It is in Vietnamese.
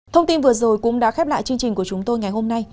thông tin vừa rồi cũng đã khép lại chương trình của chúng tôi ngày hôm nay